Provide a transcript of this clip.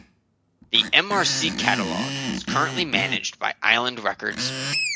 The EmArcy catalogue is currently managed by Island Records.